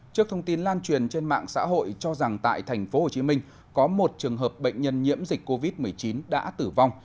trước thông tin lan truyền trên mạng xã hội cho rằng tại tp hcm có một trường hợp bệnh nhân nhiễm dịch covid một mươi chín đã tử vong